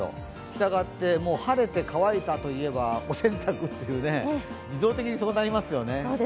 したがって晴れて乾いたといえばお洗濯と、自動的にそうなりますよね。